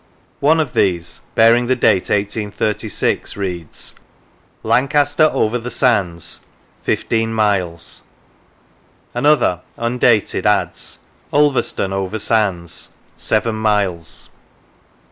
One of these, bearing the date 1836, reads: " Lancaster over the sands: fifteen miles." Another, undated, adds: " Ulverston over sands: seven miles."